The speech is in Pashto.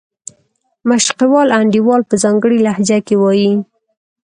مشرقي وال انډیوال په ځانګړې لهجه کې وایي.